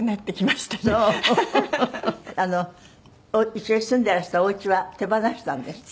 一緒に住んでいらしたお家は手放したんですって？